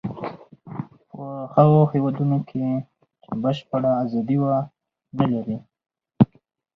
په هغو هېوادونو کې چې بشپړه ازادي و نه لري.